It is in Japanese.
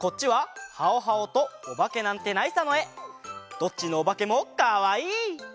どっちのおばけもかわいい！